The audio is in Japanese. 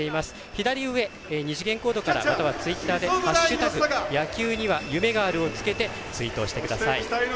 左上、二次元コードからまたはツイッターで「＃野球には夢がある」をつけてツイートしてください。